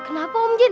kenapa om jin